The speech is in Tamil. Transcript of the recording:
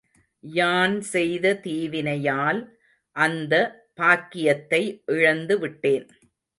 யான் செய்த தீவினையால் அந்த பாக்கியத்தை இழந்து விட்டேன்.